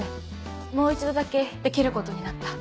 もう一度だけできることになった。